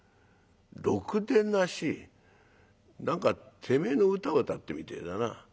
ろくでなし何かてめえの唄を歌ってるみてえだな」。